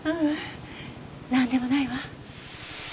なんでもないわ。